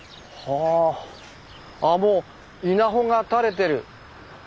ああもう稲穂が垂れてる。